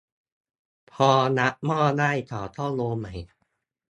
พอรับหม้อได้เขาก็โยนใหม่